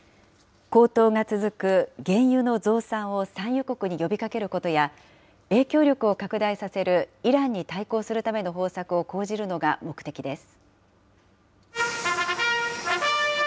高騰が続く原油の増産を産油国に呼びかけることや、影響力を拡大させるイランに対抗するための方策を講じるのが目的です。